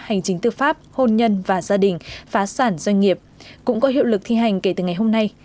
hành chính tư pháp hôn nhân và gia đình phá sản doanh nghiệp cũng có hiệu lực thi hành kể từ ngày hôm nay